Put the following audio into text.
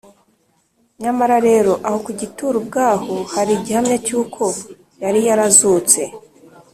nyamara rero aho ku gituro ubwaho hari igihamya cy’uko yari yazutse